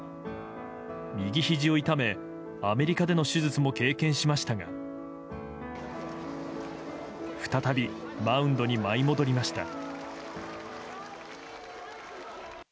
右ひじを痛め、アメリカでの手術も経験しましたが再び、マウンドに舞い戻りました。